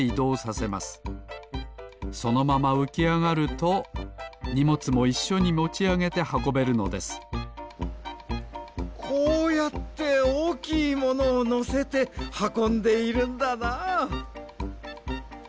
そのままうきあがるとにもつもいっしょにもちあげてはこべるのですこうやっておおきいものをのせてはこんでいるんだな。